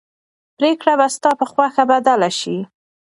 پرېکړه به ستا په خوښه بدله شي.